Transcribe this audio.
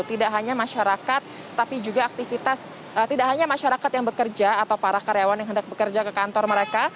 tidak hanya masyarakat tapi juga aktivitas tidak hanya masyarakat yang bekerja atau para karyawan yang hendak bekerja ke kantor mereka